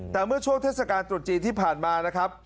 แต่เมื่อช่วงเทศกาลตรุษจีนที่ผ่านมานะครับ